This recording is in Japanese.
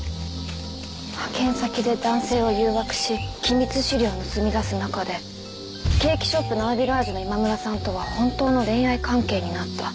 派遣先で男性を誘惑し機密資料を盗み出す中でケーキショップ・ナウビラージュの今村さんとは本当の恋愛関係になった。